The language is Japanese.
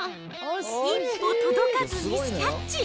一歩届かずミスキャッチ。